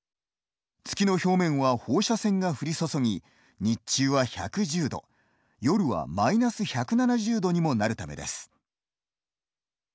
月の表面は放射線が降り注ぎ日中は１１０度夜はマイナス１７０度にもなるためです。